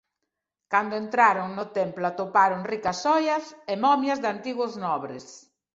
Cando entraron no templo atoparon ricas xoias e momias de antigos nobres.